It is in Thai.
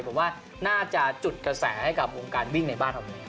ผมว่าน่าจะจุดกระแสให้กับวงการวิ่งในบ้านเราเลย